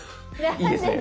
いいですね。